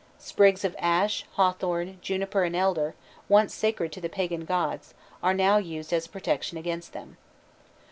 Sprigs of ash, hawthorn, juniper, and elder, once sacred to the pagan gods, are now used as a protection against them.